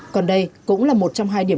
còn đây cũng là một trong hai vợ chồng em